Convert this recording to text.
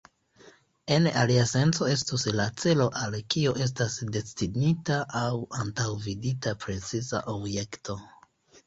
En alia senco estus la celo al kio estas destinita aŭ antaŭvidita preciza objekto.